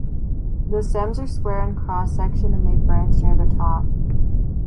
The stems are square in cross-section and may branch near the top.